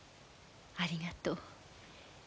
ありがとう。